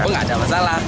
tapi tidak ada masalah